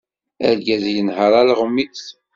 Argaz yenher alɣem-is.